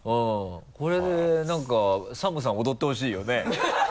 これで何かＳＡＭさん踊ってほしいよね。